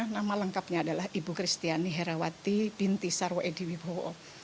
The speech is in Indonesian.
nama lengkapnya adalah ibu kristiani herawati binti sarwedi wibowo